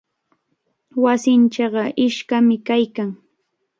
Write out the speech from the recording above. Wasinchikqa iskami kaykan.